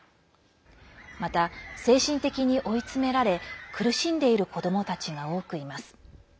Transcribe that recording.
また精神的に追い詰められ苦しんでいる子どもたちが多くいます。